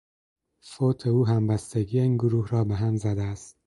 فوت او همبستگی این گروه را به هم زده است.